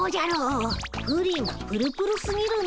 プリンプルプルすぎるんだ。